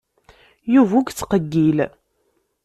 Yuba ur yettqeyyil.